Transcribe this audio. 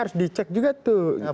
harus dicek juga tuh